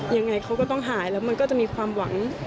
ยังไงเขาก็ต้องหายแล้วมันก็จะมีความหวัง